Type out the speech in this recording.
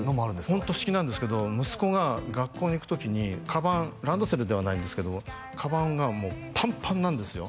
ホント不思議なんですけど息子が学校に行く時にかばんランドセルではないんですけどかばんがもうパンパンなんですよ